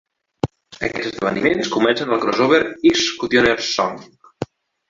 Aquests esdeveniments comencen el crossover "X-Cutioner's Song".